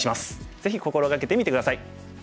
ぜひ心掛けてみて下さい。